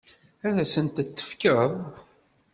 Ad asen-tent-tefkeḍ?